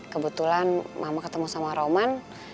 kebetulan mama ketemu sama roman